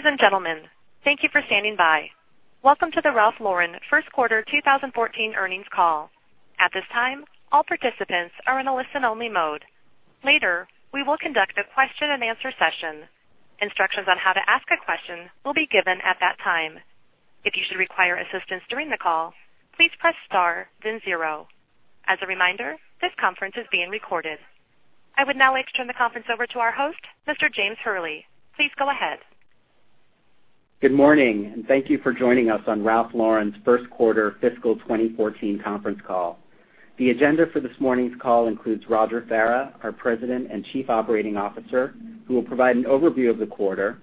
Ladies and gentlemen, thank you for standing by. Welcome to the Ralph Lauren first quarter 2014 earnings call. At this time, all participants are in a listen-only mode. Later, we will conduct a question and answer session. Instructions on how to ask a question will be given at that time. If you should require assistance during the call, please press star then zero. As a reminder, this conference is being recorded. I would now like to turn the conference over to our host, Mr. James Hurley. Please go ahead. Good morning, thank you for joining us on Ralph Lauren's first quarter fiscal 2014 conference call. The agenda for this morning's call includes Roger Farah, our President and Chief Operating Officer, who will provide an overview of the quarter.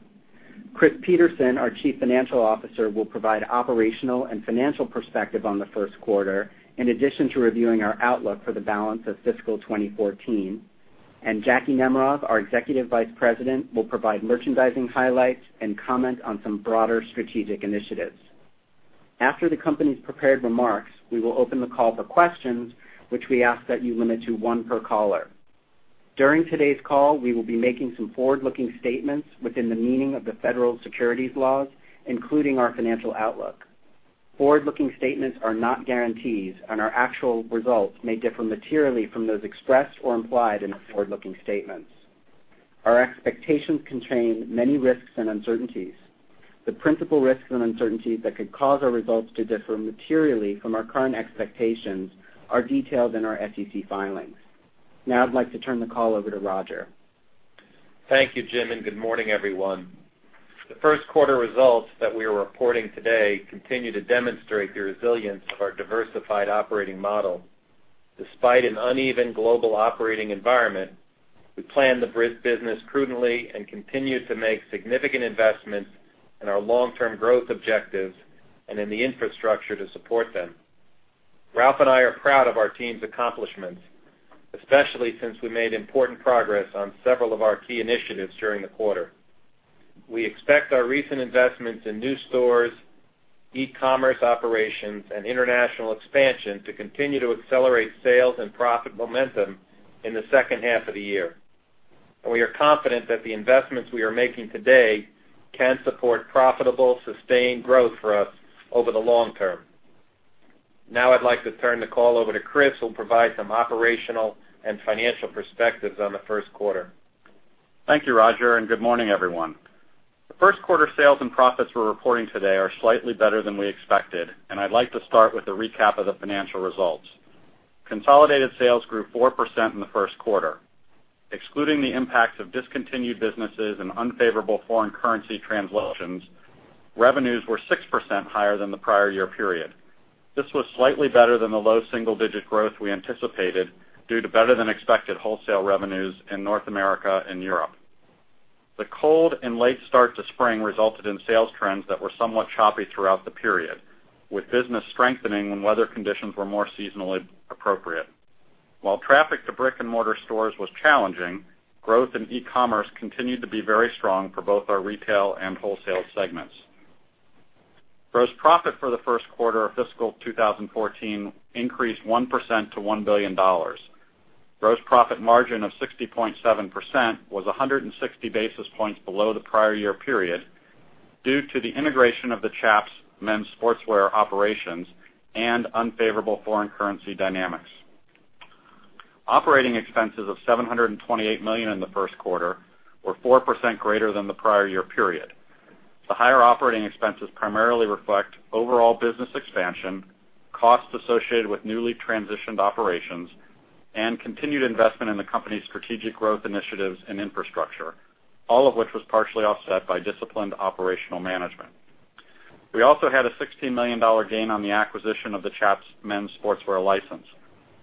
Chris Peterson, our Chief Financial Officer, will provide operational and financial perspective on the first quarter, in addition to reviewing our outlook for the balance of fiscal 2014. Jacki Nemerov, our Executive Vice President, will provide merchandising highlights and comment on some broader strategic initiatives. After the company's prepared remarks, we will open the call for questions, which we ask that you limit to one per caller. During today's call, we will be making some forward-looking statements within the meaning of the federal securities laws, including our financial outlook. Forward-looking statements are not guarantees, our actual results may differ materially from those expressed or implied in the forward-looking statements. Our expectations contain many risks and uncertainties. The principal risks and uncertainties that could cause our results to differ materially from our current expectations are detailed in our SEC filings. Now I'd like to turn the call over to Roger. Thank you, Jim, good morning, everyone. The first quarter results that we are reporting today continue to demonstrate the resilience of our diversified operating model. Despite an uneven global operating environment, we planned the business prudently and continued to make significant investments in our long-term growth objectives and in the infrastructure to support them. Ralph and I are proud of our team's accomplishments, especially since we made important progress on several of our key initiatives during the quarter. We expect our recent investments in new stores, e-commerce operations, and international expansion to continue to accelerate sales and profit momentum in the second half of the year. We are confident that the investments we are making today can support profitable, sustained growth for us over the long term. Now I'd like to turn the call over to Chris, who'll provide some operational and financial perspectives on the first quarter. Thank you, Roger, and good morning, everyone. The first quarter sales and profits we're reporting today are slightly better than we expected, and I'd like to start with a recap of the financial results. Consolidated sales grew 4% in the first quarter. Excluding the impacts of discontinued businesses and unfavorable foreign currency translations, revenues were 6% higher than the prior year period. This was slightly better than the low single-digit growth we anticipated due to better than expected wholesale revenues in North America and Europe. The cold and late start to spring resulted in sales trends that were somewhat choppy throughout the period, with business strengthening when weather conditions were more seasonally appropriate. While traffic to brick-and-mortar stores was challenging, growth in e-commerce continued to be very strong for both our retail and wholesale segments. Gross profit for the first quarter of fiscal 2014 increased 1% to $1 billion. Gross profit margin of 60.7% was 160 basis points below the prior year period due to the integration of the Chaps men's sportswear operations and unfavorable foreign currency dynamics. Operating expenses of $728 million in the first quarter were 4% greater than the prior year period. The higher operating expenses primarily reflect overall business expansion, costs associated with newly transitioned operations, and continued investment in the company's strategic growth initiatives and infrastructure, all of which was partially offset by disciplined operational management. We also had a $16 million gain on the acquisition of the Chaps men's sportswear license.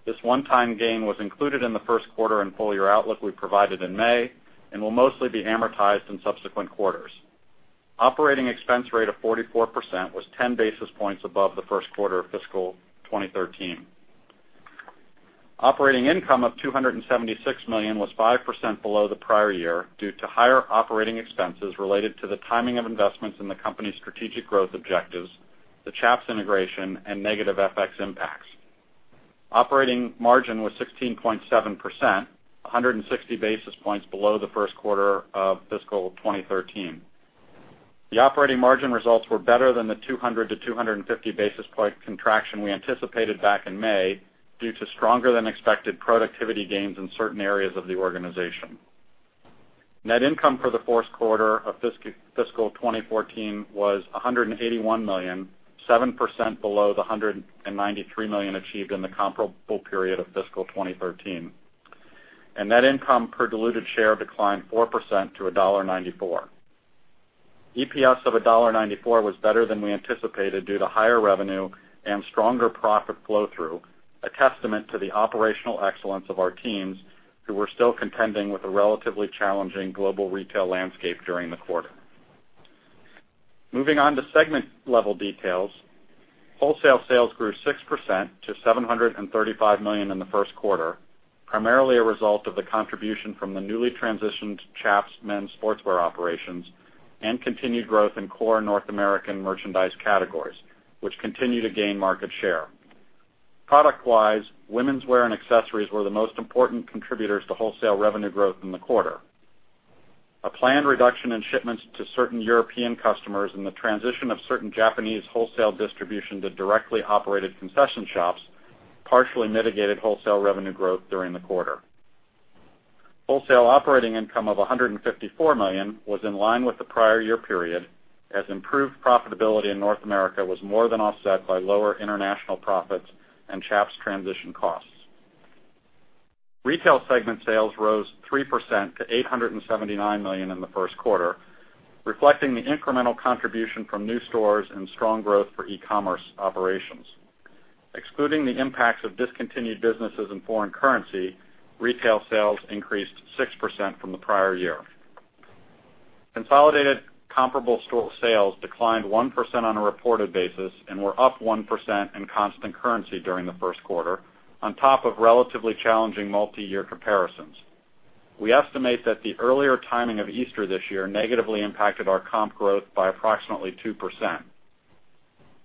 This one-time gain was included in the first quarter and full-year outlook we provided in May and will mostly be amortized in subsequent quarters. Operating expense rate of 44% was 10 basis points above the first quarter of fiscal 2013. Operating income of $276 million was 5% below the prior year due to higher operating expenses related to the timing of investments in the company's strategic growth objectives, the Chaps integration, and negative FX impacts. Operating margin was 16.7%, 160 basis points below the first quarter of fiscal 2013. The operating margin results were better than the 200-250 basis point contraction we anticipated back in May due to stronger than expected productivity gains in certain areas of the organization. Net income for the first quarter of fiscal 2014 was $181 million, 7% below the $193 million achieved in the comparable period of fiscal 2013. Net income per diluted share declined 4% to $1.94. EPS of $1.94 was better than we anticipated due to higher revenue and stronger profit flow-through, a testament to the operational excellence of our teams who were still contending with a relatively challenging global retail landscape during the quarter. Moving on to segment-level details. Wholesale sales grew 6% to $735 million in the first quarter, primarily a result of the contribution from the newly transitioned Chaps men's sportswear operations and continued growth in core North American merchandise categories, which continue to gain market share. Product-wise, womenswear and accessories were the most important contributors to wholesale revenue growth in the quarter. A planned reduction in shipments to certain European customers and the transition of certain Japanese wholesale distribution to directly operated concession shops partially mitigated wholesale revenue growth during the quarter. Wholesale operating income of $154 million was in line with the prior year period, as improved profitability in North America was more than offset by lower international profits and Chaps transition costs. Retail segment sales rose 3% to $879 million in the first quarter, reflecting the incremental contribution from new stores and strong growth for e-commerce operations. Excluding the impacts of discontinued businesses in foreign currency, retail sales increased 6% from the prior year. Consolidated comparable store sales declined 1% on a reported basis and were up 1% in constant currency during the first quarter, on top of relatively challenging multi-year comparisons. We estimate that the earlier timing of Easter this year negatively impacted our comp growth by approximately 2%.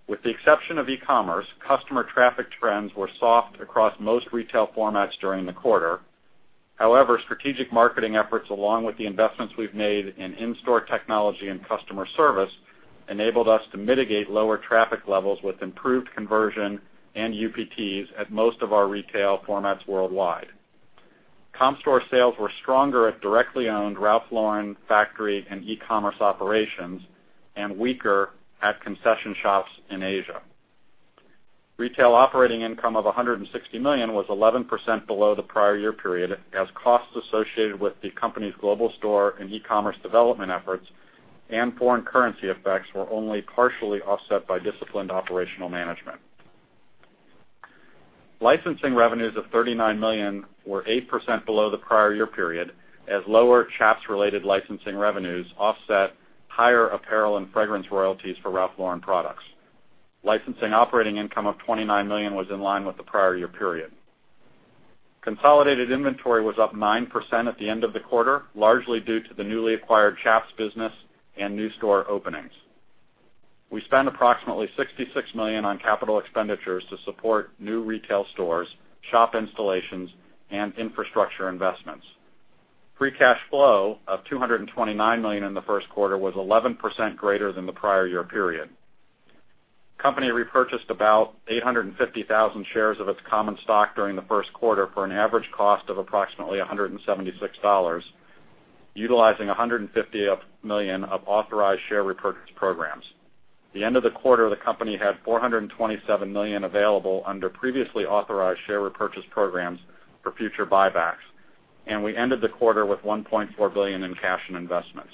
With the exception of e-commerce, customer traffic trends were soft across most retail formats during the quarter. Strategic marketing efforts, along with the investments we've made in in-store technology and customer service, enabled us to mitigate lower traffic levels with improved conversion and UPTs at most of our retail formats worldwide. Comp store sales were stronger at directly owned Ralph Lauren factory and e-commerce operations and weaker at concession shops in Asia. Retail operating income of $160 million was 11% below the prior year period, as costs associated with the company's global store and e-commerce development efforts and foreign currency effects were only partially offset by disciplined operational management. Licensing revenues of $39 million were 8% below the prior year period, as lower Chaps-related licensing revenues offset higher apparel and fragrance royalties for Ralph Lauren products. Licensing operating income of $29 million was in line with the prior year period. Consolidated inventory was up 9% at the end of the quarter, largely due to the newly acquired Chaps business and new store openings. We spent approximately $66 million on capital expenditures to support new retail stores, shop installations, and infrastructure investments. Free cash flow of $229 million in the first quarter was 11% greater than the prior year period. The company repurchased about 850,000 shares of its common stock during the first quarter for an average cost of approximately $176, utilizing $150 million of authorized share repurchase programs. At the end of the quarter, the company had $427 million available under previously authorized share repurchase programs for future buybacks, and we ended the quarter with $1.4 billion in cash and investments.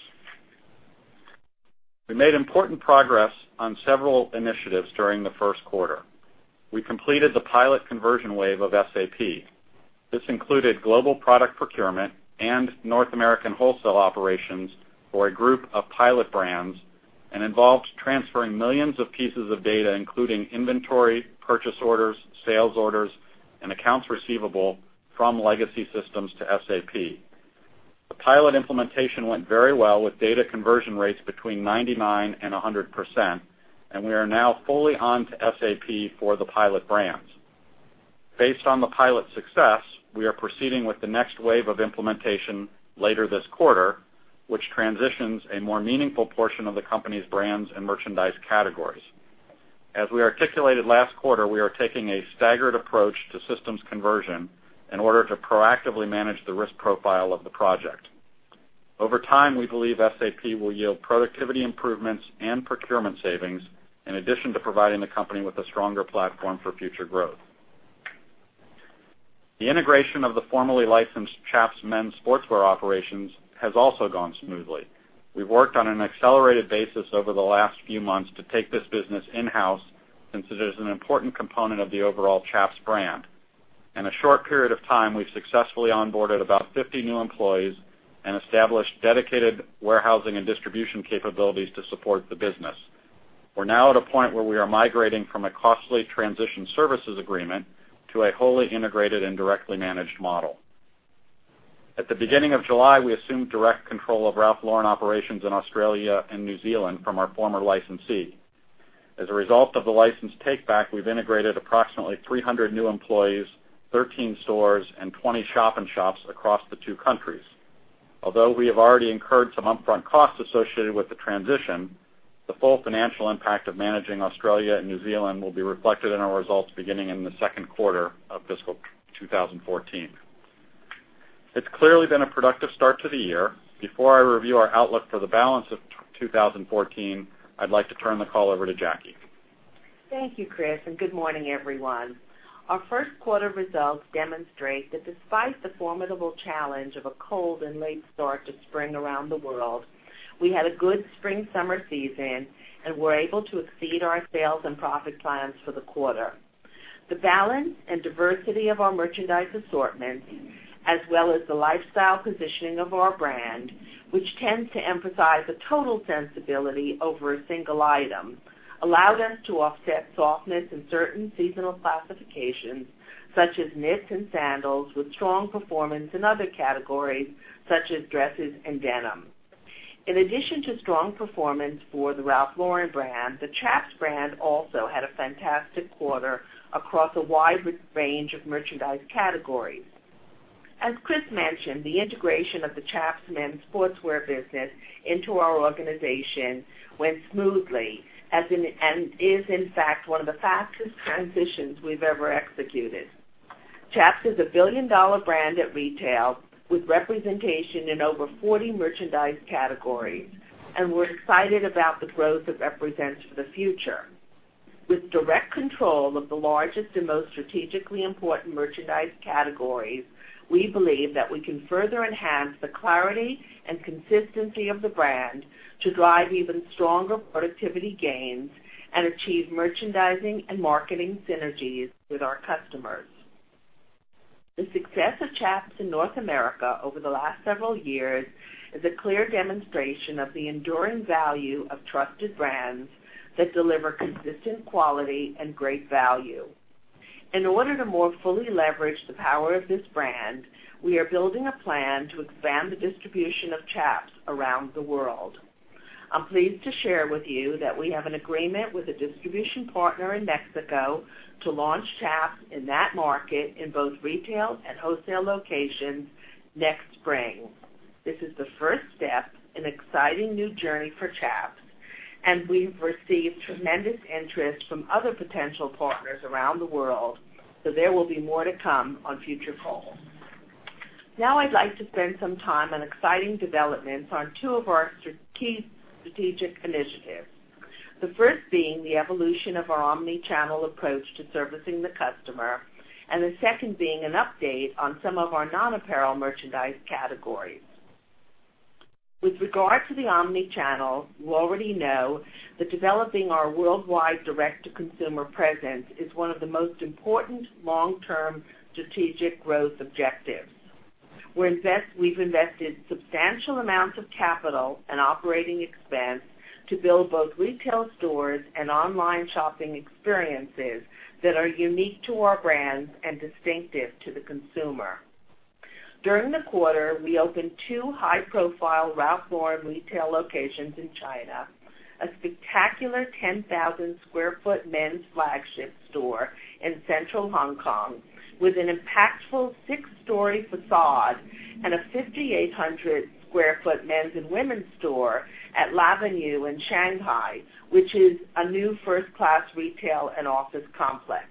We made important progress on several initiatives during the first quarter. We completed the pilot conversion wave of SAP. This included global product procurement and North American wholesale operations for a group of pilot brands and involved transferring millions of pieces of data, including inventory, purchase orders, sales orders, and accounts receivable from legacy systems to SAP. The pilot implementation went very well with data conversion rates between 99% and 100%, and we are now fully onto SAP for the pilot brands. Based on the pilot success, we are proceeding with the next wave of implementation later this quarter, which transitions a more meaningful portion of the company's brands and merchandise categories. As we articulated last quarter, we are taking a staggered approach to systems conversion in order to proactively manage the risk profile of the project. Over time, we believe SAP will yield productivity improvements and procurement savings, in addition to providing the company with a stronger platform for future growth. The integration of the formerly licensed Chaps men's sportswear operations has also gone smoothly. We've worked on an accelerated basis over the last few months to take this business in-house, since it is an important component of the overall Chaps brand. In a short period of time, we've successfully onboarded about 50 new employees and established dedicated warehousing and distribution capabilities to support the business. We're now at a point where we are migrating from a costly transition services agreement to a wholly integrated and directly managed model. At the beginning of July, we assumed direct control of Ralph Lauren operations in Australia and New Zealand from our former licensee. As a result of the license take-back, we've integrated approximately 300 new employees, 13 stores, and 20 shop-in-shops across the two countries. Although we have already incurred some upfront costs associated with the transition, the full financial impact of managing Australia and New Zealand will be reflected in our results beginning in the second quarter of fiscal 2014. It's clearly been a productive start to the year. Before I review our outlook for the balance of 2014, I'd like to turn the call over to Jacki. Thank you, Chris, and good morning, everyone. Our first quarter results demonstrate that despite the formidable challenge of a cold and late start to spring around the world, we had a good spring-summer season and were able to exceed our sales and profit plans for the quarter. The balance and diversity of our merchandise assortment, as well as the lifestyle positioning of our brand, which tends to emphasize a total sensibility over a single item, allowed us to offset softness in certain seasonal classifications, such as knits and sandals, with strong performance in other categories, such as dresses and denim. In addition to strong performance for the Ralph Lauren brand, the Chaps brand also had a fantastic quarter across a wide range of merchandise categories. As Chris mentioned, the integration of the Chaps men's sportswear business into our organization went smoothly, and is in fact one of the fastest transitions we've ever executed. Chaps is a billion-dollar brand at retail, with representation in over 40 merchandise categories, and we're excited about the growth it represents for the future. With direct control of the largest and most strategically important merchandise categories, we believe that we can further enhance the clarity and consistency of the brand to drive even stronger productivity gains, and achieve merchandising and marketing synergies with our customers. The success of Chaps in North America over the last several years is a clear demonstration of the enduring value of trusted brands that deliver consistent quality and great value. In order to more fully leverage the power of this brand, we are building a plan to expand the distribution of Chaps around the world. I'm pleased to share with you that we have an agreement with a distribution partner in Mexico to launch Chaps in that market in both retail and wholesale locations next spring. This is the first step in an exciting new journey for Chaps, and we've received tremendous interest from other potential partners around the world. There will be more to come on future calls. I'd like to spend some time on exciting developments on two of our strategic initiatives, the first being the evolution of our omni-channel approach to servicing the customer. The second being an update on some of our non-apparel merchandise categories. With regard to the omni-channel, you already know that developing our worldwide direct-to-consumer presence is one of the most important long-term strategic growth objectives. We've invested substantial amounts of capital and operating expense to build both retail stores and online shopping experiences that are unique to our brands and distinctive to the consumer. During the quarter, we opened two high-profile Ralph Lauren retail locations in China, a spectacular 10,000 sq ft men's flagship store in central Hong Kong with an impactful six-story façade and a 5,800 sq ft men's and women's store at L'Avenue in Shanghai, which is a new first-class retail and office complex.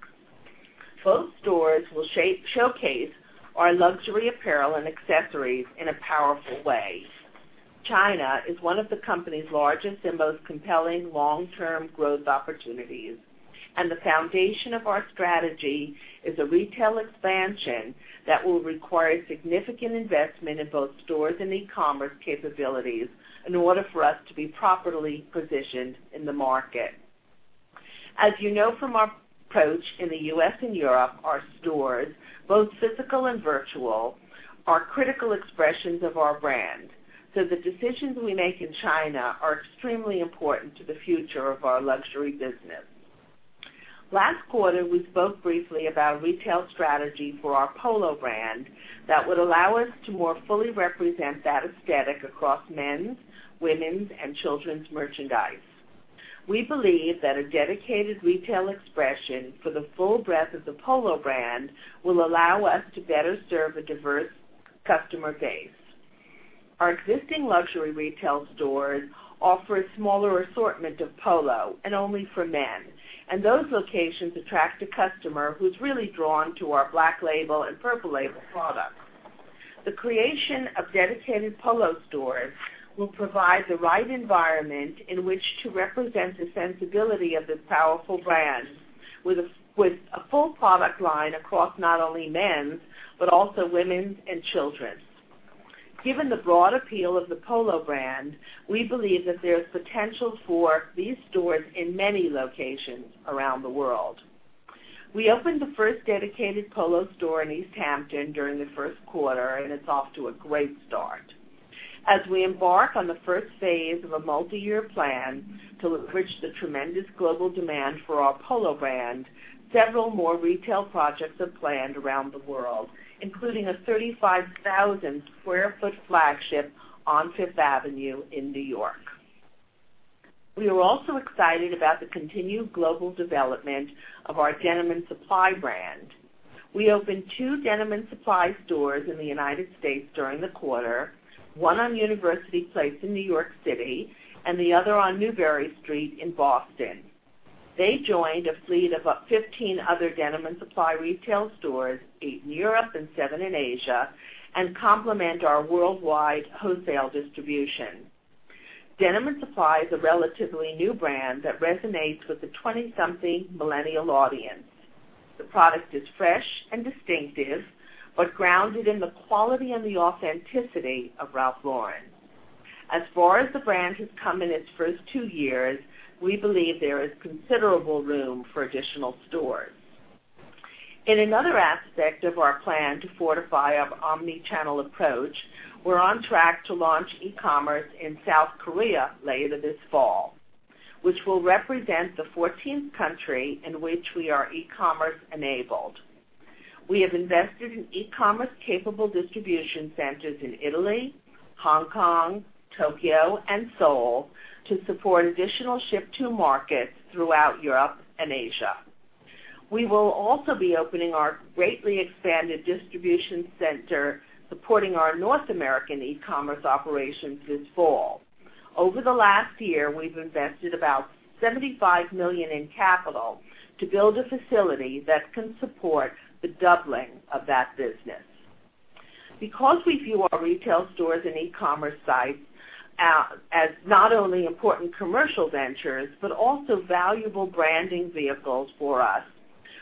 Both stores will showcase our luxury apparel and accessories in a powerful way. China is one of the company's largest and most compelling long-term growth opportunities. The foundation of our strategy is a retail expansion that will require significant investment in both stores and e-commerce capabilities in order for us to be properly positioned in the market. As you know from our approach in the U.S. and Europe, our stores, both physical and virtual, are critical expressions of our brand. The decisions we make in China are extremely important to the future of our luxury business. Last quarter, we spoke briefly about a retail strategy for our Polo brand that would allow us to more fully represent that aesthetic across men's, women's, and children's merchandise. We believe that a dedicated retail expression for the full breadth of the Polo brand will allow us to better serve a diverse customer base. Our existing luxury retail stores offer a smaller assortment of Polo, and only for men. Those locations attract a customer who's really drawn to our Black Label and Purple Label products. The creation of dedicated Polo stores will provide the right environment in which to represent the sensibility of this powerful brand with a full product line across not only men's, but also women's and children's. Given the broad appeal of the Polo brand, we believe that there's potential for these stores in many locations around the world. We opened the first dedicated Polo store in East Hampton during the first quarter. It's off to a great start. As we embark on the first phase of a multi-year plan to leverage the tremendous global demand for our Polo brand, several more retail projects are planned around the world, including a 35,000 sq ft flagship on Fifth Avenue in New York. We are also excited about the continued global development of our Denim & Supply brand. We opened two Denim & Supply stores in the U.S. during the quarter, one on University Place in New York City and the other on Newbury Street in Boston. They joined a fleet of 15 other Denim & Supply retail stores, eight in Europe and seven in Asia, and complement our worldwide wholesale distribution. Denim & Supply is a relatively new brand that resonates with the 20-something millennial audience. The product is fresh and distinctive, but grounded in the quality and the authenticity of Ralph Lauren. As far as the brand has come in its first two years, we believe there is considerable room for additional stores. In another aspect of our plan to fortify our omni-channel approach, we're on track to launch e-commerce in South Korea later this fall, which will represent the 14th country in which we are e-commerce enabled. We have invested in e-commerce capable distribution centers in Italy, Hong Kong, Tokyo, and Seoul to support additional ship-to markets throughout Europe and Asia. We will also be opening our greatly expanded distribution center supporting our North American e-commerce operations this fall. Over the last year, we've invested about $75 million in capital to build a facility that can support the doubling of that business. Because we view our retail stores and e-commerce sites as not only important commercial ventures, but also valuable branding vehicles for us,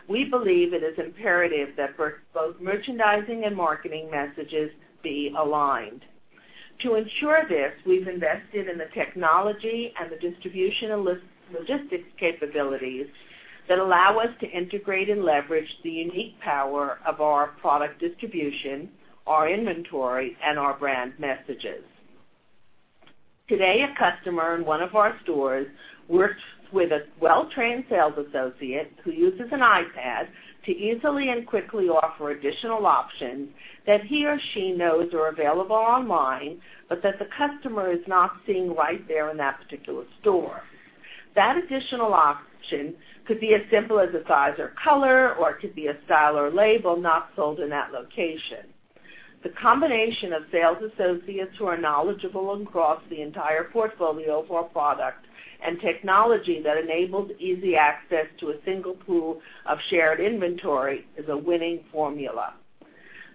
we believe it is imperative that both merchandising and marketing messages be aligned. To ensure this, we've invested in the technology and the distribution and logistics capabilities that allow us to integrate and leverage the unique power of our product distribution, our inventory, and our brand messages. Today, a customer in one of our stores works with a well-trained sales associate who uses an iPad to easily and quickly offer additional options that he or she knows are available online, but that the customer is not seeing right there in that particular store. That additional option could be as simple as a size or color, or it could be a style or label not sold in that location. The combination of sales associates who are knowledgeable across the entire portfolio of our product and technology that enables easy access to a single pool of shared inventory is a winning formula.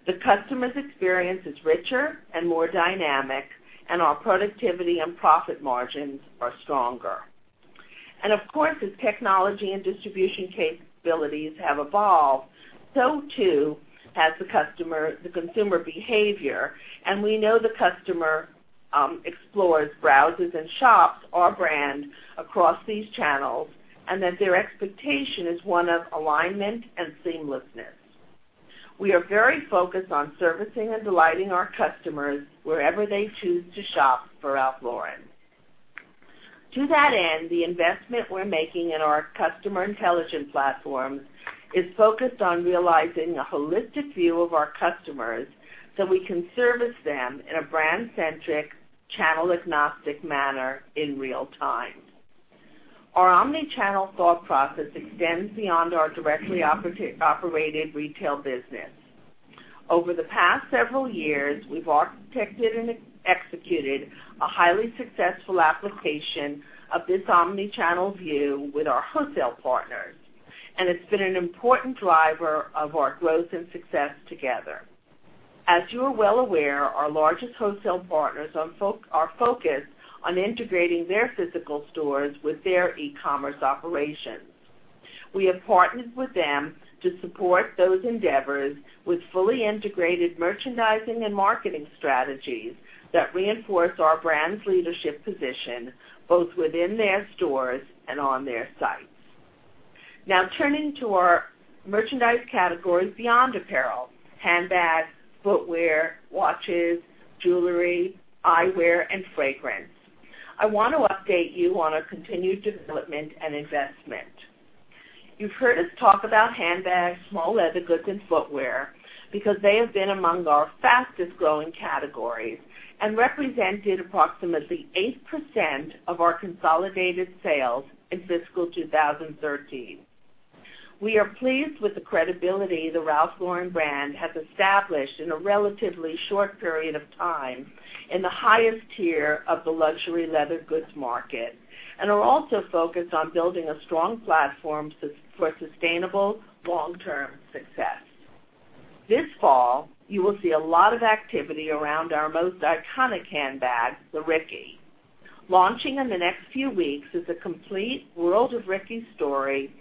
The customer's experience is richer and more dynamic, and our productivity and profit margins are stronger. Of course, as technology and distribution capabilities have evolved, so too has the consumer behavior, and we know the customer explores, browses, and shops our brand across these channels and that their expectation is one of alignment and seamlessness. We are very focused on servicing and delighting our customers wherever they choose to shop for Ralph Lauren. To that end, the investment we're making in our customer intelligence platform is focused on realizing a holistic view of our customers so we can service them in a brand-centric, channel-agnostic manner in real time. Our omni-channel thought process extends beyond our directly operated retail business. Over the past several years, we've architected and executed a highly successful application of this omni-channel view with our wholesale partners, and it's been an important driver of our growth and success together. As you are well aware, our largest wholesale partners are focused on integrating their physical stores with their e-commerce operations. We have partnered with them to support those endeavors with fully integrated merchandising and marketing strategies that reinforce our brand's leadership position, both within their stores and on their sites. Now turning to our merchandise categories beyond apparel: handbags, footwear, watches, jewelry, eyewear, and fragrance. I want to update you on our continued development and investment. You've heard us talk about handbags, small leather goods, and footwear because they have been among our fastest-growing categories and represented approximately 8% of our consolidated sales in fiscal 2013. We are pleased with the credibility the Ralph Lauren brand has established in a relatively short period of time in the highest tier of the luxury leather goods market and are also focused on building a strong platform for sustainable long-term success. This fall, you will see a lot of activity around our most iconic handbag, the Ricky. Launching in the next few weeks is a complete World of Ricky story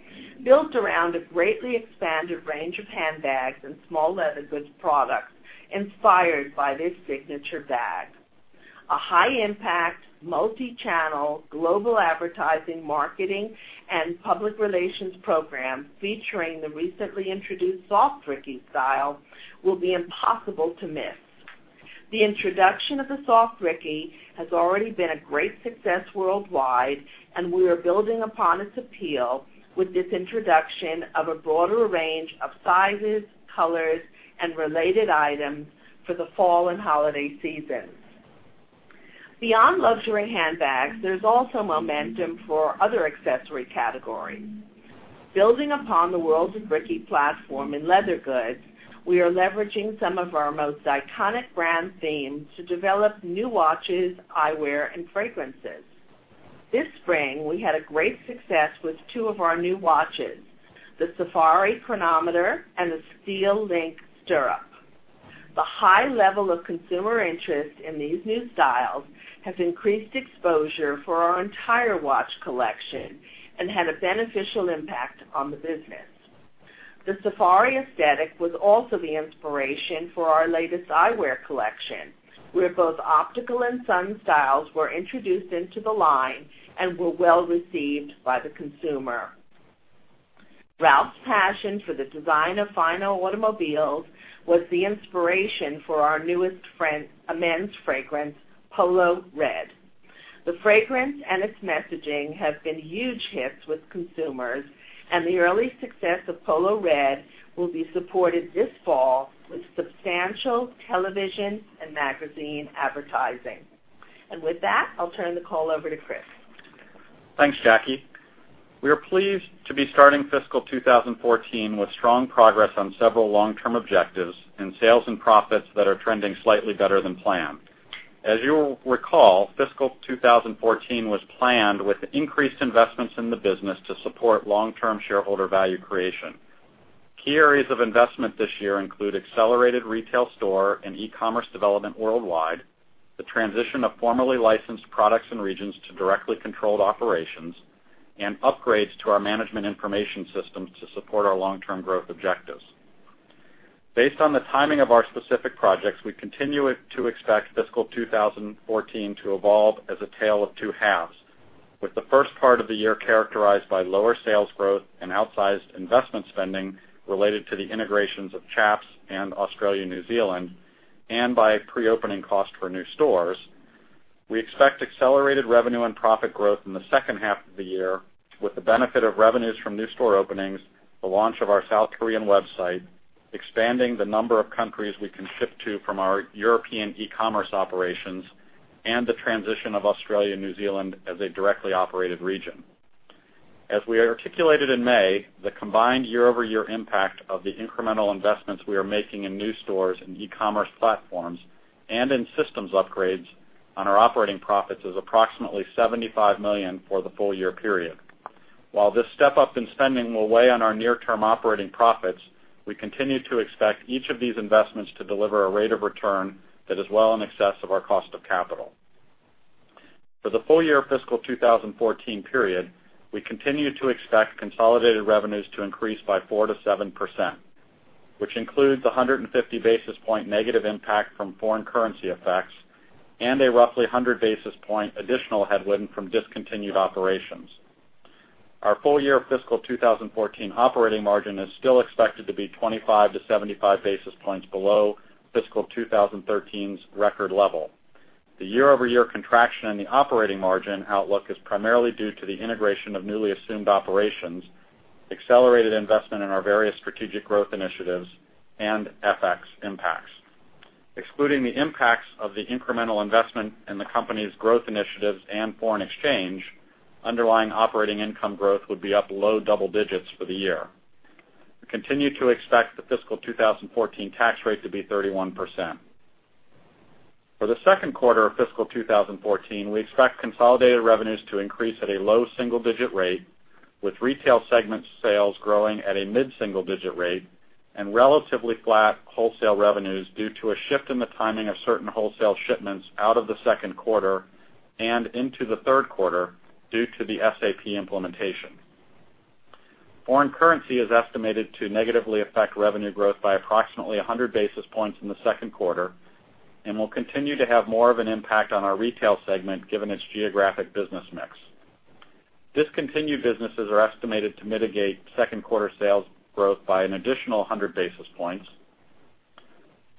built around a greatly expanded range of handbags and small leather goods products inspired by this signature bag. A high-impact, multi-channel global advertising, marketing, and public relations program featuring the recently introduced Soft Ricky style will be impossible to miss. The introduction of the Soft Ricky has already been a great success worldwide, and we are building upon its appeal with this introduction of a broader range of sizes, colors, and related items for the fall and holiday seasons. Beyond luxury handbags, there's also momentum for our other accessory categories. Building upon the World of Ricky platform in leather goods, we are leveraging some of our most iconic brand themes to develop new watches, eyewear, and fragrances. This spring, we had a great success with two of our new watches, the Safari Chronometer and the Stirrup Steel Link. The high level of consumer interest in these new styles has increased exposure for our entire watch collection and had a beneficial impact on the business. The Safari aesthetic was also the inspiration for our latest eyewear collection, where both optical and sun styles were introduced into the line and were well received by the consumer. Ralph's passion for the design of fine automobiles was the inspiration for our newest men's fragrance, Polo Red. The fragrance and its messaging have been huge hits with consumers, the early success of Polo Red will be supported this fall with substantial television and magazine advertising. With that, I'll turn the call over to Chris. Thanks, Jacki. We are pleased to be starting fiscal 2014 with strong progress on several long-term objectives and sales and profits that are trending slightly better than planned. As you will recall, fiscal 2014 was planned with increased investments in the business to support long-term shareholder value creation. Key areas of investment this year include accelerated retail store and e-commerce development worldwide, the transition of formerly licensed products and regions to directly controlled operations, and upgrades to our management information systems to support our long-term growth objectives. Based on the timing of our specific projects, we continue to expect fiscal 2014 to evolve as a tale of two halves. With the first part of the year characterized by lower sales growth and outsized investment spending related to the integrations of Chaps and Australia/New Zealand, and by pre-opening costs for new stores. We expect accelerated revenue and profit growth in the second half of the year with the benefit of revenues from new store openings, the launch of our South Korean website, expanding the number of countries we can ship to from our European e-commerce operations, and the transition of Australia/New Zealand as a directly operated region. As we articulated in May, the combined year-over-year impact of the incremental investments we are making in new stores and e-commerce platforms, and in systems upgrades on our operating profits is approximately $75 million for the full year period. While this step-up in spending will weigh on our near-term operating profits, we continue to expect each of these investments to deliver a rate of return that is well in excess of our cost of capital. For the full year fiscal 2014 period, we continue to expect consolidated revenues to increase by 4%-7%, which includes 150 basis point negative impact from foreign currency effects and a roughly 100 basis point additional headwind from discontinued operations. Our full year fiscal 2014 operating margin is still expected to be 25-75 basis points below fiscal 2013's record level. The year-over-year contraction in the operating margin outlook is primarily due to the integration of newly assumed operations, accelerated investment in our various strategic growth initiatives, and FX impacts. Excluding the impacts of the incremental investment in the company's growth initiatives and foreign exchange, underlying operating income growth would be up low double digits for the year. We continue to expect the fiscal 2014 tax rate to be 31%. For the second quarter of fiscal 2014, we expect consolidated revenues to increase at a low single-digit rate, with retail segment sales growing at a mid-single digit rate and relatively flat wholesale revenues due to a shift in the timing of certain wholesale shipments out of the second quarter and into the third quarter, due to the SAP implementation. Foreign currency is estimated to negatively affect revenue growth by approximately 100 basis points in the second quarter, and will continue to have more of an impact on our retail segment given its geographic business mix. Discontinued businesses are estimated to mitigate second quarter sales growth by an additional 100 basis points.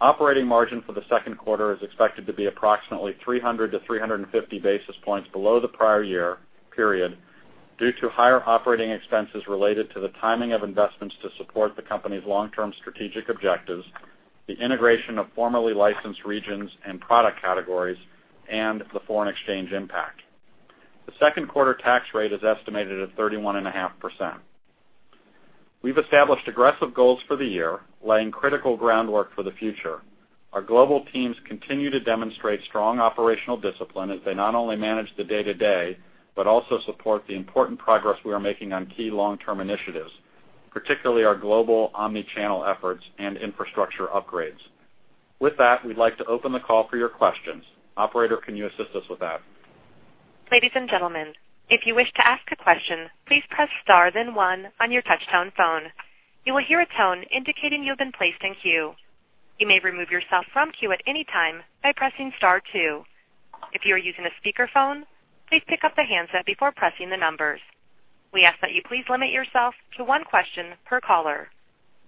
Operating margin for the second quarter is expected to be approximately 300-350 basis points below the prior year period due to higher operating expenses related to the timing of investments to support the company's long-term strategic objectives, the integration of formerly licensed regions and product categories, and the foreign exchange impact. The second quarter tax rate is estimated at 31.5%. We've established aggressive goals for the year, laying critical groundwork for the future. Our global teams continue to demonstrate strong operational discipline as they not only manage the day-to-day, but also support the important progress we are making on key long-term initiatives, particularly our global omni-channel efforts and infrastructure upgrades. With that, we'd like to open the call for your questions. Operator, can you assist us with that? Ladies and gentlemen, if you wish to ask a question, please press star then one on your touchtone phone. You will hear a tone indicating you have been placed in queue. You may remove yourself from queue at any time by pressing star two. If you are using a speakerphone, please pick up the handset before pressing the numbers. We ask that you please limit yourself to one question per caller.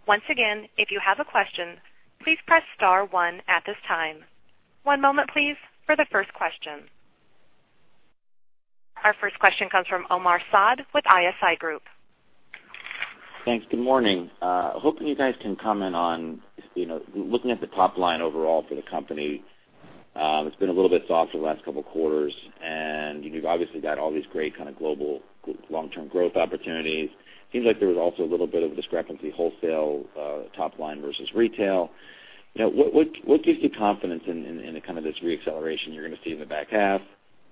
Once again, if you have a question, please press star one at this time. One moment, please, for the first question. Our first question comes from Omar Saad with ISI Group. Thanks. Good morning. Hoping you guys can comment on looking at the top line overall for the company. It's been a little bit soft for the last couple of quarters, and you've obviously got all these great kind of global long-term growth opportunities. Seems like there was also a little bit of discrepancy, wholesale top line versus retail. What gives you confidence in this re-acceleration you're going to see in the back half?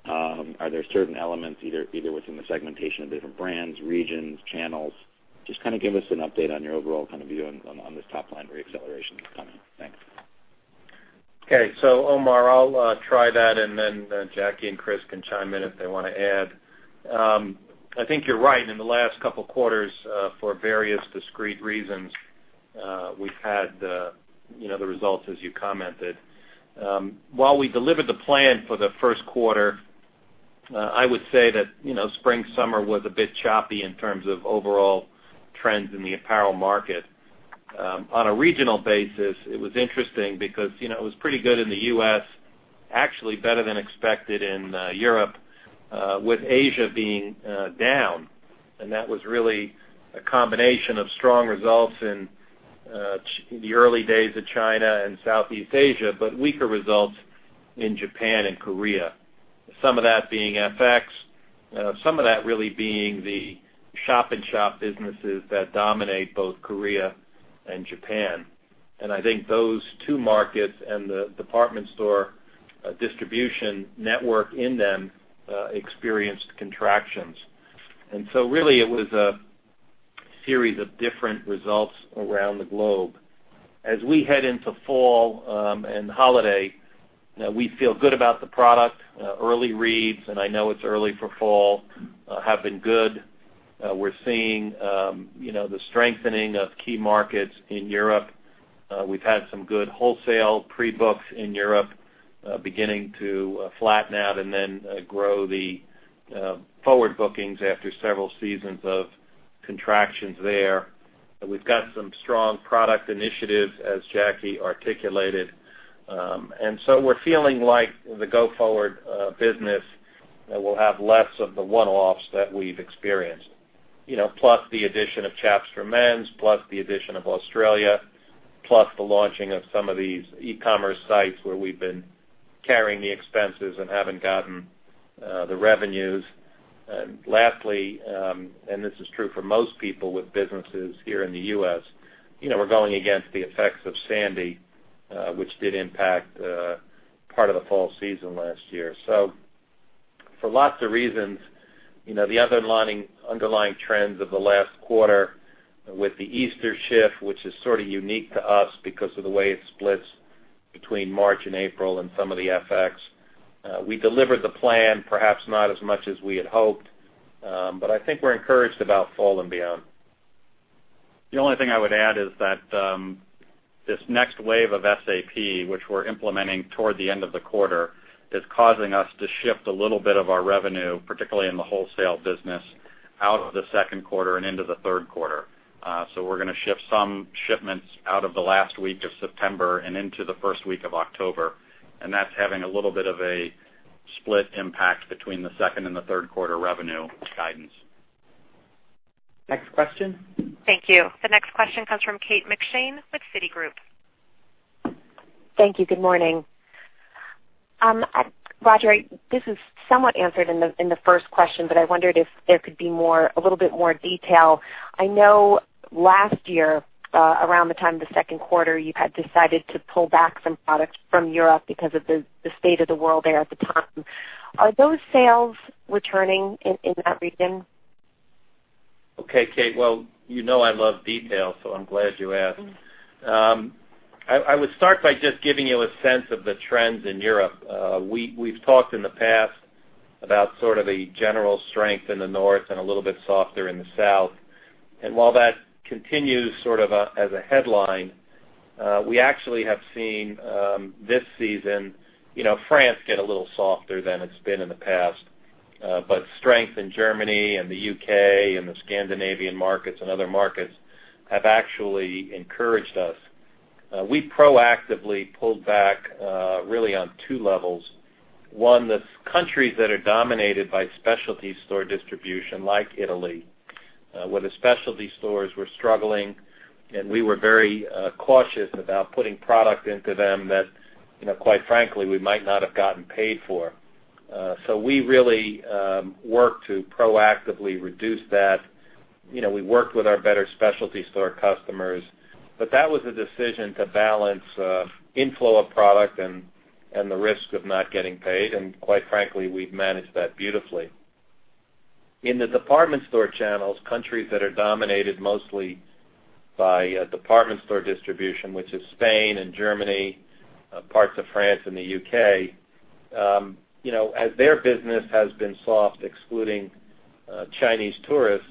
Are there certain elements either within the segmentation of different brands, regions, channels? Just give us an update on your overall view on this top line where the acceleration is coming. Thanks. Okay. Omar, I'll try that, and then Jacki and Chris can chime in if they want to add. I think you're right. In the last couple of quarters, for various discrete reasons, we've had the results as you commented. While we delivered the plan for the first quarter, I would say that spring/summer was a bit choppy in terms of overall trends in the apparel market. On a regional basis, it was interesting because it was pretty good in the U.S., actually better than expected in Europe, with Asia being down. That was really a combination of strong results in the early days of China and Southeast Asia, but weaker results in Japan and Korea. Some of that being FX, some of that really being the shop-in-shop businesses that dominate both Korea and Japan. I think those two markets and the department store distribution network in them experienced contractions. Really it was a series of different results around the globe. As we head into fall and holiday, we feel good about the product. Early reads, and I know it's early for fall, have been good. We're seeing the strengthening of key markets in Europe. We've had some good wholesale pre-books in Europe beginning to flatten out and then grow the forward bookings after several seasons of contractions there. We've got some strong product initiatives, as Jacki articulated. We're feeling like the go-forward business will have less of the one-offs that we've experienced. Plus the addition of Chaps for Men's, plus the addition of Australia, plus the launching of some of these e-commerce sites where we've been carrying the expenses and haven't gotten the revenues. Lastly, this is true for most people with businesses here in the U.S., we're going against the effects of Hurricane Sandy, which did impact part of the fall season last year. For lots of reasons, the underlying trends of the last quarter with the Easter shift, which is sort of unique to us because of the way it splits between March and April and some of the FX. We delivered the plan, perhaps not as much as we had hoped. I think we're encouraged about fall and beyond. The only thing I would add is that this next wave of SAP, which we're implementing toward the end of the quarter, is causing us to shift a little bit of our revenue, particularly in the wholesale business, out of the second quarter and into the third quarter. We're going to shift some shipments out of the last week of September and into the first week of October, and that's having a little bit of a split impact between the second and the third quarter revenue guidance. Next question. Thank you. The next question comes from Kate McShane with Citigroup. Thank you. Good morning. Roger, this is somewhat answered in the first question, I wondered if there could be a little bit more detail. I know last year, around the time of the second quarter, you had decided to pull back some products from Europe because of the state of the world there at the time. Are those sales returning in that region? Okay, Kate. Well, you know I love detail, I'm glad you asked. I would start by just giving you a sense of the trends in Europe. We've talked in the past about sort of a general strength in the north and a little bit softer in the south. While that continues sort of as a headline, we actually have seen this season France get a little softer than it's been in the past. Strength in Germany and the U.K. and the Scandinavian markets and other markets have actually encouraged us. We proactively pulled back really on two levels. One, the countries that are dominated by specialty store distribution, like Italy, where the specialty stores were struggling, and we were very cautious about putting product into them that, quite frankly, we might not have gotten paid for. We really worked to proactively reduce that. We worked with our better specialty store customers. That was a decision to balance inflow of product and the risk of not getting paid. Quite frankly, we've managed that beautifully. In the department store channels, countries that are dominated mostly by department store distribution, which is Spain and Germany, parts of France and the U.K., as their business has been soft, excluding Chinese tourists,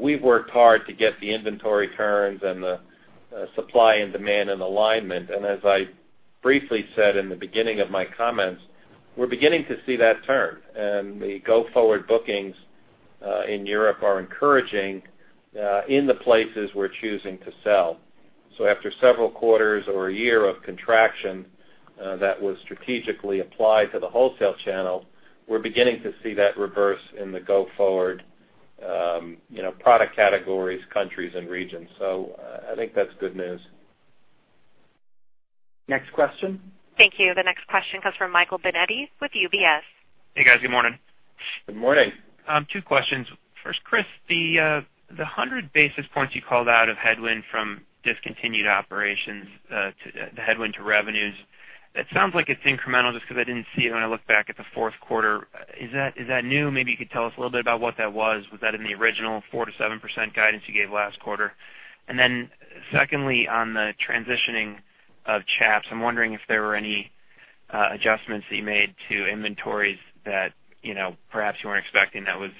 we've worked hard to get the inventory turns and the supply and demand in alignment. As I briefly said in the beginning of my comments, we're beginning to see that turn. The go-forward bookings in Europe are encouraging in the places we're choosing to sell. After several quarters or a year of contraction that was strategically applied to the wholesale channel, we're beginning to see that reverse in the go-forward product categories, countries, and regions. I think that's good news. Next question. Thank you. The next question comes from Michael Binetti with UBS. Hey, guys. Good morning. Good morning. Two questions. First, Chris, the 100 basis points you called out of headwind from discontinued operations, the headwind to revenues. That sounds like it's incremental just because I didn't see it when I looked back at the fourth quarter. Is that new? Maybe you could tell us a little bit about what that was. Was that in the original 4%-7% guidance you gave last quarter? Secondly, on the transitioning of Chaps, I'm wondering if there were any adjustments that you made to inventories that perhaps you weren't expecting that was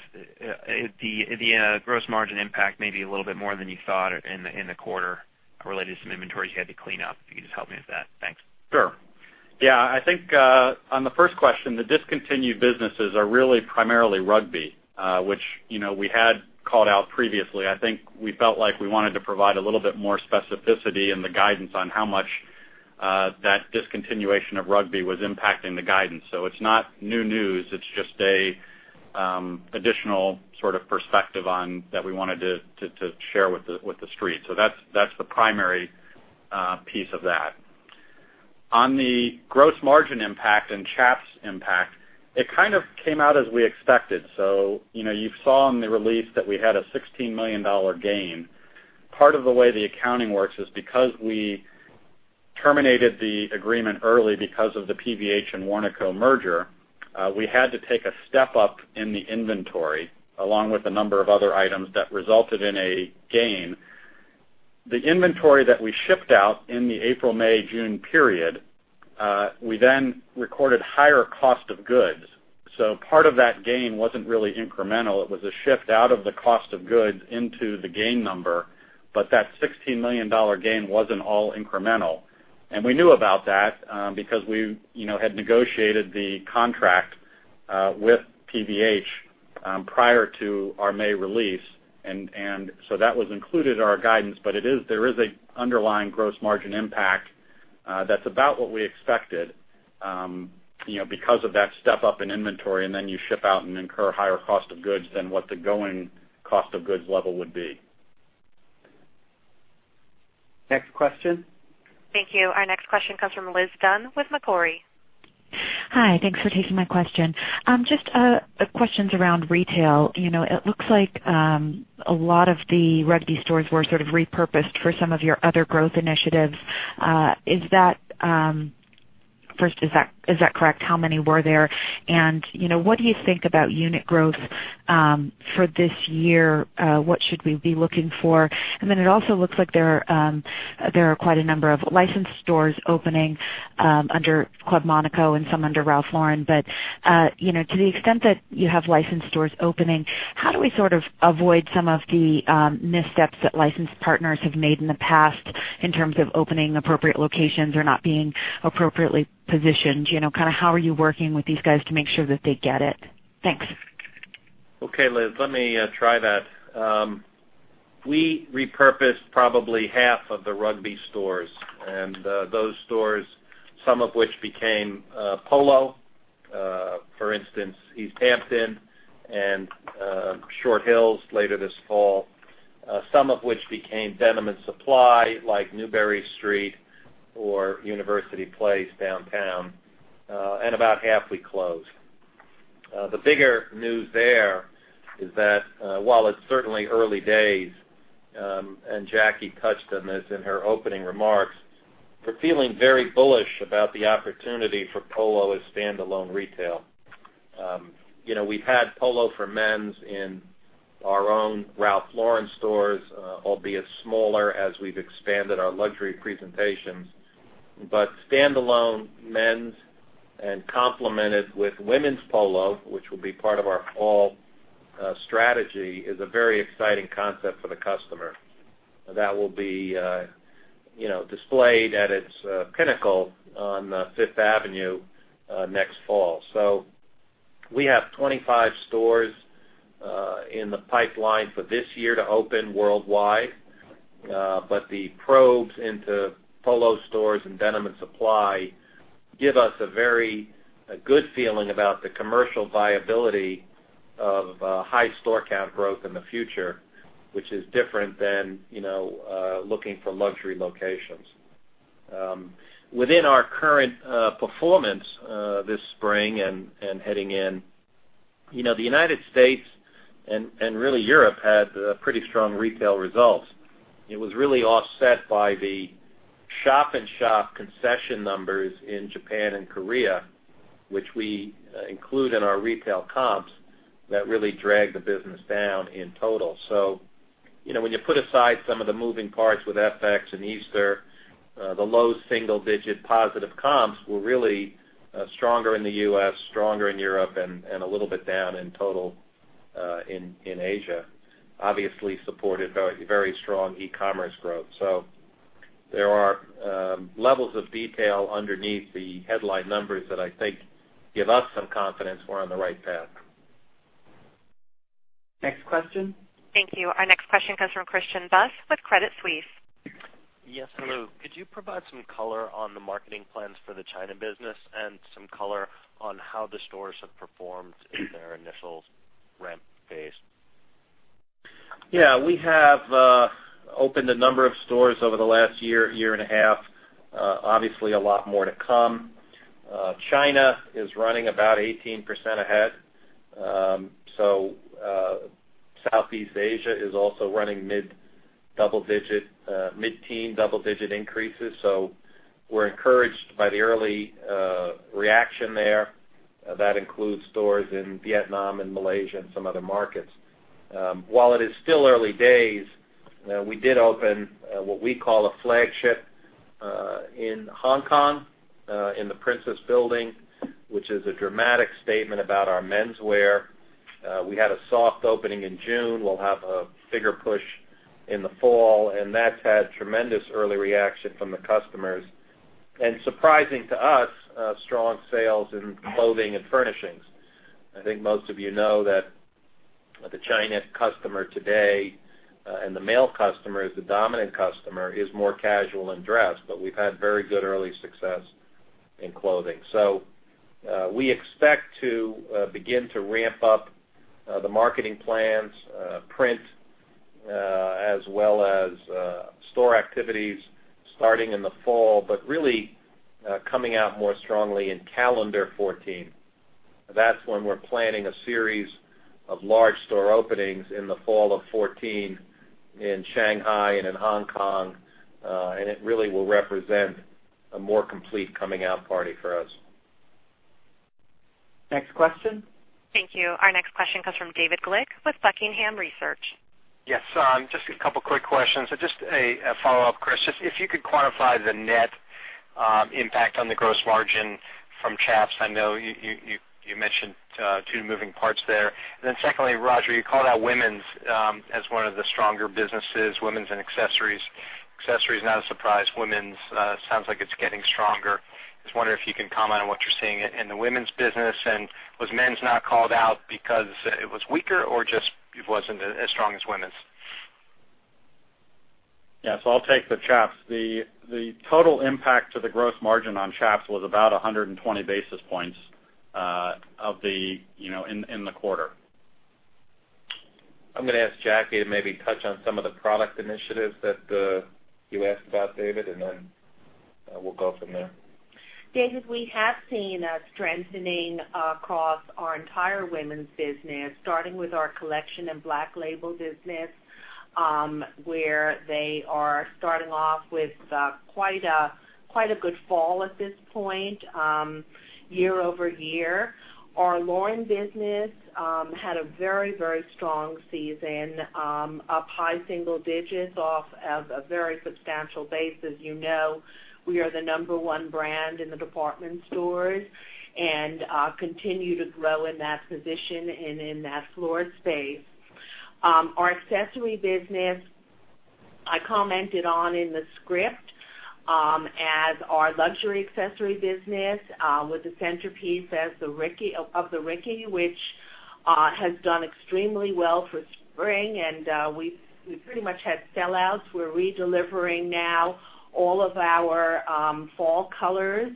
the gross margin impact may be a little bit more than you thought in the quarter related to some inventories you had to clean up. If you could just help me with that. Thanks. Sure. I think on the first question, the discontinued businesses are really primarily Rugby, which we had called out previously. I think we felt like we wanted to provide a little bit more specificity in the guidance on how much that discontinuation of Rugby was impacting the guidance. It's not new news, it's just an additional sort of perspective on that we wanted to share with the Street. That's the primary piece of that. On the gross margin impact and Chaps impact, it kind of came out as we expected. You saw in the release that we had a $16 million gain. Part of the way the accounting works is because we terminated the agreement early because of the PVH and Warnaco merger, we had to take a step up in the inventory, along with a number of other items that resulted in a gain. The inventory that we shipped out in the April, May, June period, we then recorded higher cost of goods. Part of that gain wasn't really incremental. It was a shift out of the cost of goods into the gain number. That $16 million gain wasn't all incremental. We knew about that because we had negotiated the contract with PVH prior to our May release. That was included in our guidance. There is an underlying gross margin impact that's about what we expected because of that step up in inventory, then you ship out and incur higher cost of goods than what the going cost of goods level would be. Next question. Thank you. Our next question comes from Liz Dunn with Macquarie. Hi. Thanks for taking my question. Just questions around retail. It looks like a lot of the Rugby stores were sort of repurposed for some of your other growth initiatives. First, is that correct? How many were there? What do you think about unit growth for this year? What should we be looking for? It also looks like there are quite a number of licensed stores opening under Club Monaco and some under Ralph Lauren. To the extent that you have licensed stores opening, how do we sort of avoid some of the missteps that licensed partners have made in the past in terms of opening appropriate locations or not being appropriately positioned? How are you working with these guys to make sure that they get it? Thanks. Okay, Liz, let me try that. We repurposed probably half of the Rugby stores, those stores, some of which became Polo, for instance, East Hampton and Short Hills later this fall. Some of which became Denim & Supply, like Newbury Street or University Place downtown. About half we closed. The bigger news there is that while it's certainly early days, Jacki touched on this in her opening remarks, we're feeling very bullish about the opportunity for Polo as standalone retail. We've had Polo for men's in our own Ralph Lauren stores, albeit smaller, as we've expanded our luxury presentations. Standalone men's and complemented with women's Polo, which will be part of our fall strategy, is a very exciting concept for the customer that will be displayed at its pinnacle on Fifth Avenue next fall. We have 25 stores in the pipeline for this year to open worldwide. The probes into Polo stores and Denim & Supply give us a very good feeling about the commercial viability of high store count growth in the future, which is different than looking for luxury locations. Within our current performance this spring and heading in, the United States and really Europe had pretty strong retail results. It was really offset by the shop-in-shop concession numbers in Japan and Korea, which we include in our retail comps that really drag the business down in total. When you put aside some of the moving parts with FX and Easter, the low single-digit positive comps were really stronger in the U.S., stronger in Europe, and a little bit down in total in Asia, obviously supported very strong e-commerce growth. There are levels of detail underneath the headline numbers that I think give us some confidence we are on the right path. Next question. Thank you. Our next question comes from Christian Buss with Credit Suisse. Yes, hello. Could you provide some color on the marketing plans for the China business and some color on how the stores have performed in their initial ramp phase? We have opened a number of stores over the last year, one and a half. Obviously, a lot more to come. China is running about 18% ahead. Southeast Asia is also running mid-teen double-digit increases. We're encouraged by the early reaction there. That includes stores in Vietnam and Malaysia and some other markets. While it is still early days, we did open what we call a flagship in Hong Kong in the Prince's Building, which is a dramatic statement about our menswear. We had a soft opening in June. We'll have a bigger push in the fall, and that's had tremendous early reaction from the customers. Surprising to us, strong sales in clothing and furnishings. I think most of you know that the China customer today, the male customer is the dominant customer, is more casual in dress, we've had very good early success in clothing. We expect to begin to ramp up the marketing plans, print, as well as store activities starting in the fall, but really coming out more strongly in calendar 2014. That's when we're planning a series of large store openings in the fall of 2014 in Shanghai and in Hong Kong. It really will represent a more complete coming out party for us. Next question. Thank you. Our next question comes from David Glick with Buckingham Research. Just a couple quick questions. Just a follow-up, Chris, if you could quantify the net impact on the gross margin from Chaps. I know you mentioned two moving parts there. Secondly, Roger, you called out women's as one of the stronger businesses, women's and accessories. Accessories, not a surprise. Women's, sounds like it's getting stronger. Just wondering if you can comment on what you're seeing in the women's business, and was men's not called out because it was weaker or just it wasn't as strong as women's? Yes, I'll take the Chaps. The total impact to the gross margin on Chaps was about 120 basis points in the quarter. I'm going to ask Jacki to maybe touch on some of the product initiatives that you asked about, David, and then we'll go from there. David, we have seen a strengthening across our entire women's business, starting with our collection in Black Label business, where they are starting off with quite a good fall at this point, year-over-year. Our Lauren business had a very strong season, up high single digits off of a very substantial base. As you know, we are the number one brand in the department stores and continue to grow in that position and in that floor space. Our accessory business, I commented on in the script as our luxury accessory business with the centerpiece of the Ricky, which has done extremely well for spring, and we pretty much had sellouts. We're redelivering now all of our fall colors.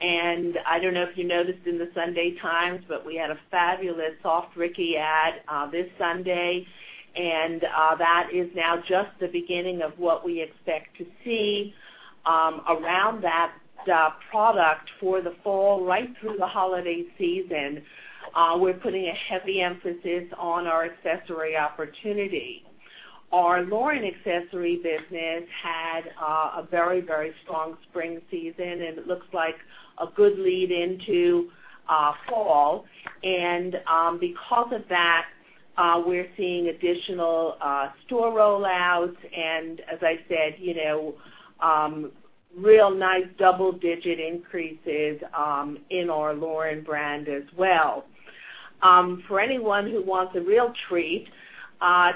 I don't know if you noticed in The Sunday Times, but we had a fabulous Soft Ricky ad this Sunday. That is now just the beginning of what we expect to see around that product for the fall right through the holiday season. We're putting a heavy emphasis on our accessory opportunity. Our Lauren accessory business had a very strong spring season. It looks like a good lead into fall. Because of that, we're seeing additional store rollouts and, as I said, real nice double-digit increases in our Lauren brand as well. For anyone who wants a real treat,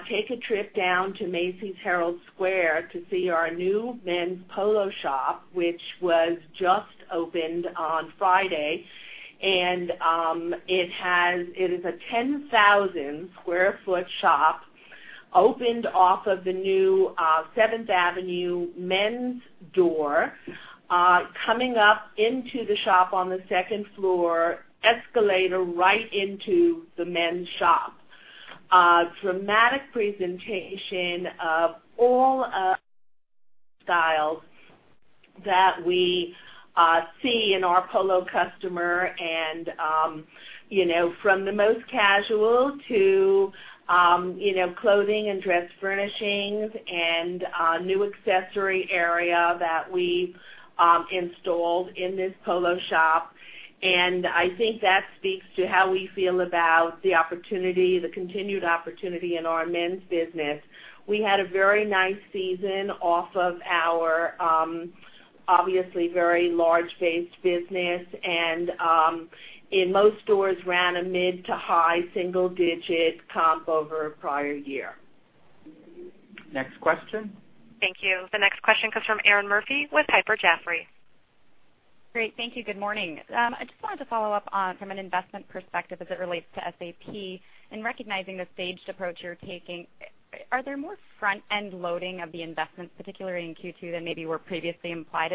take a trip down to Macy's Herald Square to see our new men's Polo shop, which was just opened on Friday. It is a 10,000 square foot shop opened off of the new Seventh Avenue men's door coming up into the shop on the second floor, escalator right into the men's shop. Dramatic presentation of all styles that we see in our Polo customer and from the most casual to clothing and dress furnishings and a new accessory area that we installed in this Polo shop. I think that speaks to how we feel about the continued opportunity in our men's business. We had a very nice season off of our obviously very large based business, and in most stores ran a mid to high single digit comp over prior year. Next question. Thank you. The next question comes from Erinn Murphy with Piper Jaffray. Great. Thank you. Good morning. I just wanted to follow up on from an investment perspective as it relates to SAP and recognizing the staged approach you're taking. Are there more front-end loading of the investments, particularly in Q2, than maybe were previously implied?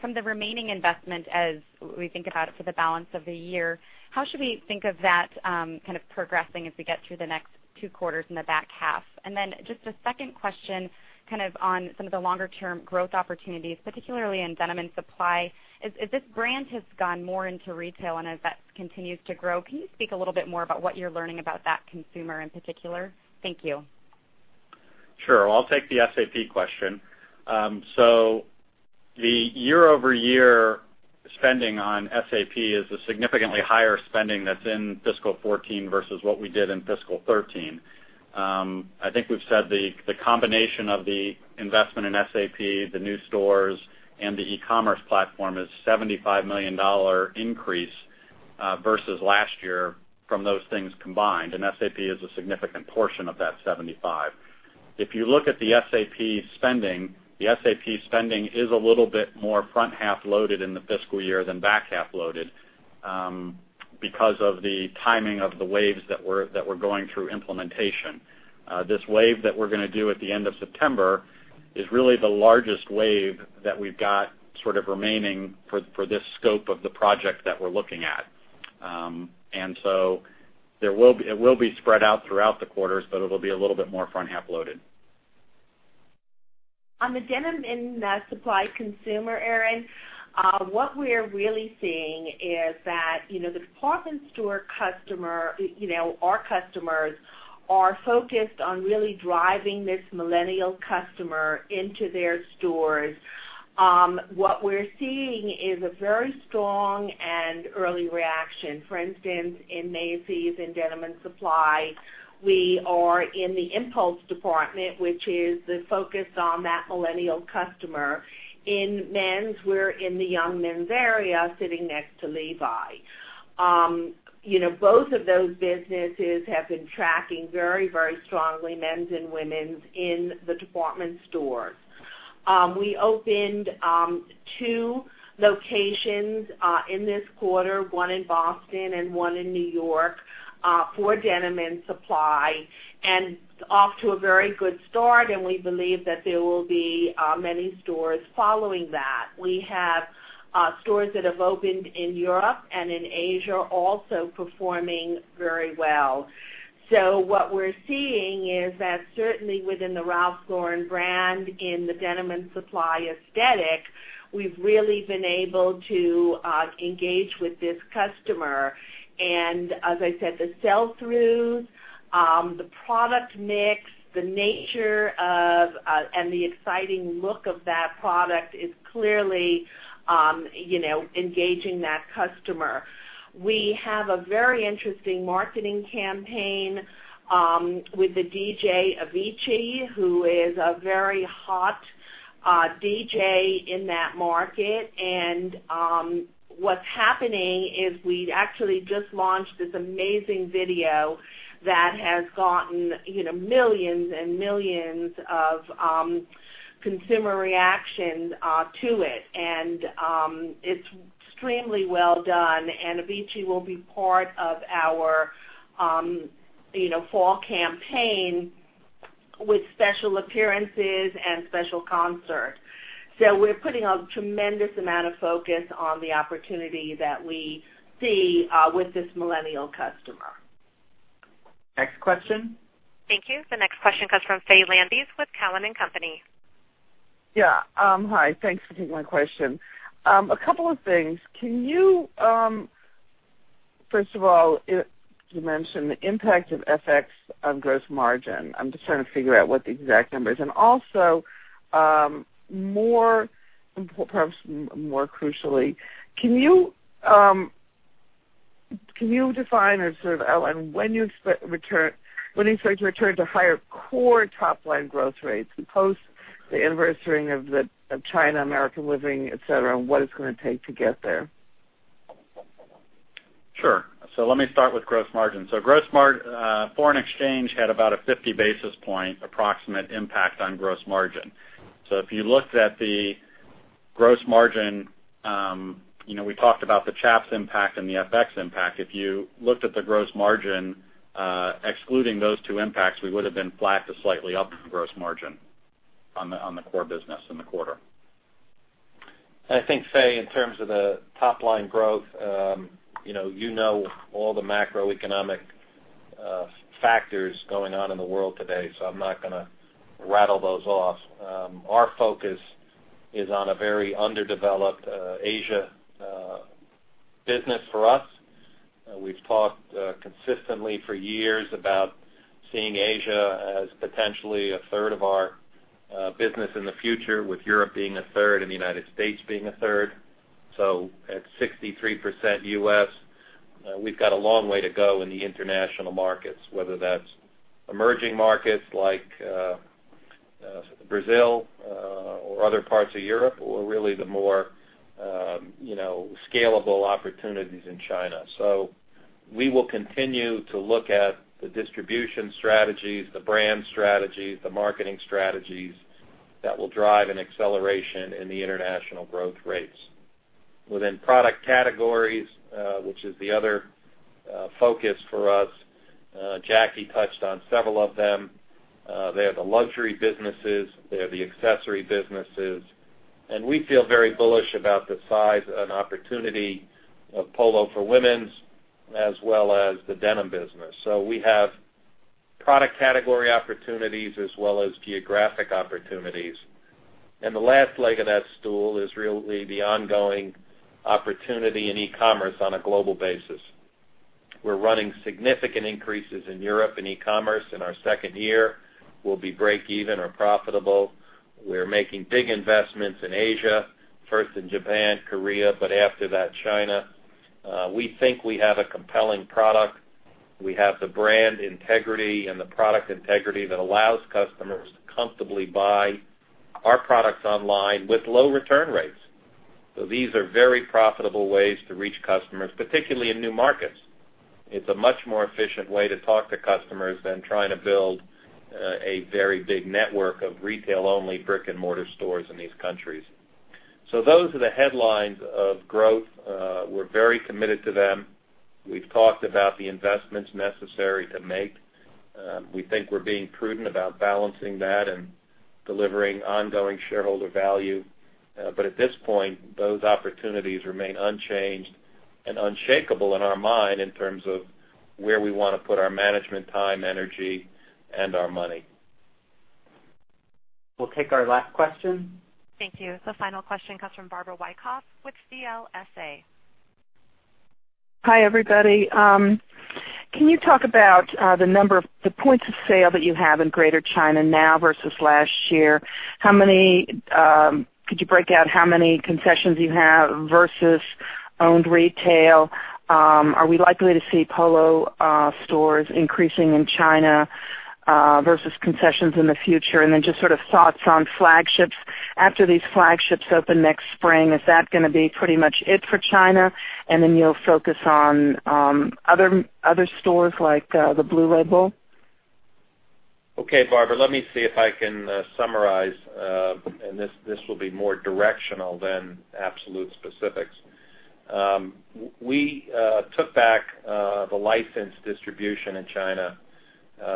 From the remaining investment as we think about it for the balance of the year, how should we think of that progressing as we get through the next two quarters in the back half? A second question on some of the longer-term growth opportunities, particularly in Denim & Supply. As this brand has gone more into retail and as that continues to grow, can you speak a little bit more about what you're learning about that consumer in particular? Thank you. Sure. I'll take the SAP question. The year-over-year spending on SAP is a significantly higher spending that's in fiscal 2014 versus what we did in fiscal 2013. I think we've said the combination of the investment in SAP, the new stores, and the e-commerce platform is a $75 million increase versus last year from those things combined, and SAP is a significant portion of that 75. If you look at the SAP spending, the SAP spending is a little bit more front-half loaded in the fiscal year than back-half loaded because of the timing of the waves that were going through implementation. This wave that we're going to do at the end of September is really the largest wave that we've got remaining for this scope of the project that we're looking at. It will be spread out throughout the quarters, but it'll be a little bit more front-half loaded. On the Denim & Supply consumer, Erinn, what we're really seeing is that the department store customer, our customers, are focused on really driving this millennial customer into their stores. What we're seeing is a very strong and early reaction. For instance, in Macy's, in Denim & Supply, we are in the impulse department, which is the focus on that millennial customer. In men's, we're in the young men's area sitting next to Levi's. Both of those businesses have been tracking very strongly, men's and women's, in the department stores. We opened two locations in this quarter, one in Boston and one in New York, for Denim & Supply, and off to a very good start, and we believe that there will be many stores following that. We have stores that have opened in Europe and in Asia also performing very well. What we're seeing is that certainly within the Ralph Lauren brand in the Denim & Supply aesthetic, we've really been able to engage with this customer. As I said, the sell-throughs, the product mix, the nature of, and the exciting look of that product is clearly engaging that customer. We have a very interesting marketing campaign with the DJ Avicii, who is a very hot DJ in that market. What's happening is we actually just launched this amazing video that has gotten millions and millions of consumer reaction to it, and it's extremely well done. Avicii will be part of our fall campaign with special appearances and special concert. We're putting a tremendous amount of focus on the opportunity that we see with this millennial customer. Next question. Thank you. The next question comes from Faye Landes with Cowen and Company. Yeah. Hi. Thanks for taking my question. A couple of things. First of all, you mentioned the impact of FX on gross margin. I'm just trying to figure out what the exact number is. Also, perhaps more crucially, can you define or sort of outline when do you expect to return to higher core top-line growth rates post the anniversary-ing of China, American Living, et cetera, and what it's going to take to get there? Sure. Let me start with gross margin. Foreign exchange had about a 50 basis point approximate impact on gross margin. If you looked at the gross margin, we talked about the Chaps impact and the FX impact. If you looked at the gross margin excluding those two impacts, we would've been flat to slightly up in gross margin on the core business in the quarter. I think, Faye, in terms of the top-line growth, you know all the macroeconomic factors going on in the world today, I'm not going to rattle those off. Our focus is on a very underdeveloped Asia business for us. We've talked consistently for years about seeing Asia as potentially a third of our business in the future, with Europe being a third and the United States being a third. At 63% U.S., we've got a long way to go in the international markets, whether that's emerging markets like Brazil or other parts of Europe, or really the more scalable opportunities in China. We will continue to look at the distribution strategies, the brand strategies, the marketing strategies that will drive an acceleration in the international growth rates. Within product categories, which is the other focus for us, Jacki touched on several of them. They are the luxury businesses, they are the accessory businesses. We feel very bullish about the size and opportunity of Polo for women's as well as the denim business. We have product category opportunities as well as geographic opportunities. The last leg of that stool is really the ongoing opportunity in e-commerce on a global basis. We're running significant increases in Europe in e-commerce. In our second year, we'll be break even or profitable. We're making big investments in Asia, first in Japan, Korea, but after that, China. We think we have a compelling product. We have the brand integrity and the product integrity that allows customers to comfortably buy our products online with low return rates. These are very profitable ways to reach customers, particularly in new markets. It's a much more efficient way to talk to customers than trying to build a very big network of retail-only brick-and-mortar stores in these countries. Those are the headlines of growth. We're very committed to them. We've talked about the investments necessary to make. We think we're being prudent about balancing that and delivering ongoing shareholder value. At this point, those opportunities remain unchanged and unshakable in our mind in terms of where we want to put our management time, energy, and our money. We'll take our last question. Thank you. The final question comes from Barbara Wyckoff with CLSA. Hi, everybody. Can you talk about the points of sale that you have in Greater China now versus last year? Could you break out how many concessions you have versus owned retail? Just sort of thoughts on flagships. Are we likely to see Polo stores increasing in China versus concessions in the future? After these flagships open next spring, is that going to be pretty much it for China, and then you'll focus on other stores like the Blue Label? Okay, Barbara, let me see if I can summarize. This will be more directional than absolute specifics. We took back the licensed distribution in China,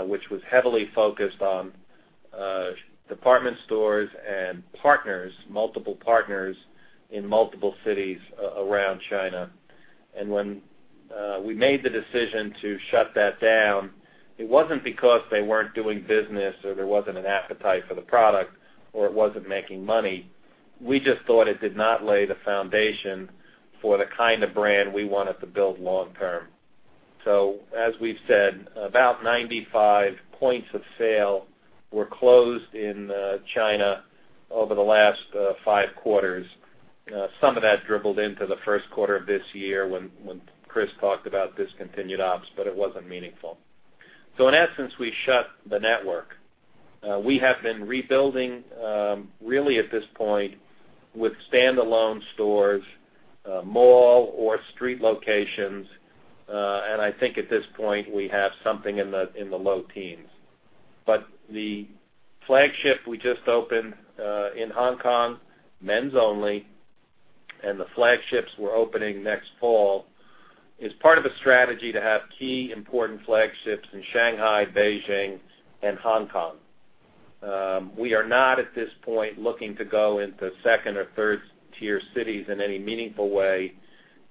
which was heavily focused on department stores and partners, multiple partners in multiple cities around China. When we made the decision to shut that down, it wasn't because they weren't doing business or there wasn't an appetite for the product, or it wasn't making money. We just thought it did not lay the foundation for the kind of brand we wanted to build long term. As we've said, about 95 points of sale were closed in China over the last five quarters. Some of that dribbled into the first quarter of this year when Chris talked about discontinued ops, but it wasn't meaningful. In essence, we shut the network. We have been rebuilding, really at this point, with standalone stores, mall or street locations. I think at this point, we have something in the low teens. The flagship we just opened in Hong Kong, men's only, and the flagships we're opening next fall is part of a strategy to have key important flagships in Shanghai, Beijing, and Hong Kong. We are not, at this point, looking to go into tier 2 or tier 3 cities in any meaningful way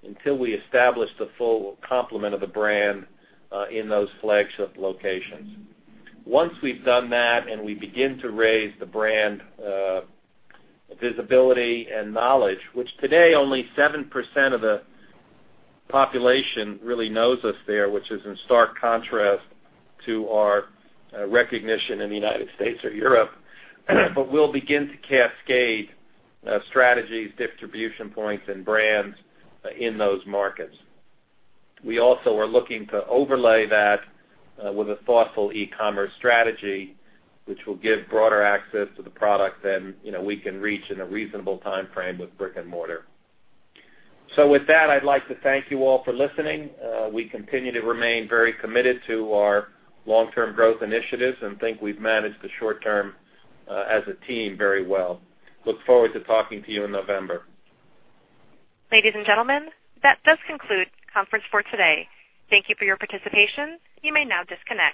until we establish the full complement of the brand in those flagship locations. Once we've done that, and we begin to raise the brand visibility and knowledge, which today only 7% of the population really knows us there, which is in stark contrast to our recognition in the United States or Europe. We'll begin to cascade strategies, distribution points, and brands in those markets. We also are looking to overlay that with a thoughtful e-commerce strategy, which will give broader access to the product than we can reach in a reasonable timeframe with brick and mortar. With that, I'd like to thank you all for listening. We continue to remain very committed to our long-term growth initiatives and think we've managed the short term as a team very well. Look forward to talking to you in November. Ladies and gentlemen, that does conclude conference for today. Thank you for your participation. You may now disconnect.